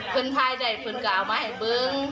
พื้นพ่ายได้พื้นกล่าวมาให้บึง